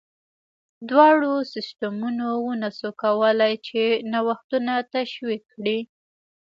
دواړو سیستمونو ونه شوای کولای چې نوښتونه تشویق کړي.